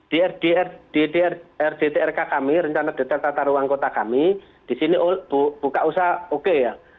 di rdrk kami rencana detekta taruhan kota kami di sini buka usaha oke ya